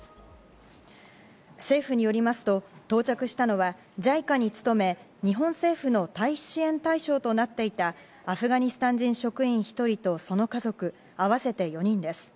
政府によりますと到着したのはＪＩＣＡに勤め、日本政府の退避支援対象となっていたアフガニスタン人職員１人とその家族、合わせて４人です。